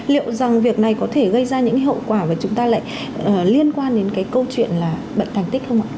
liệu rằng việc này có thể gây ra những hậu quả mà chúng ta lại liên quan đến cái câu chuyện là bệnh thành tích không ạ